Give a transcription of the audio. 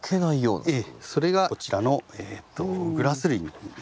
それがこちらのグラス類になりますね。